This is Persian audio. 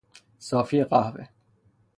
صافی قهوه